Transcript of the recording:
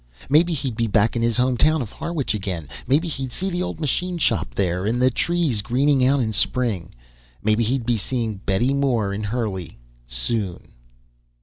Maybe he'd be back in his home town of Harwich again. Maybe he'd see the old machine shop, there. And the trees greening out in Spring. Maybe he'd be seeing Betty Moore in Hurley, soon....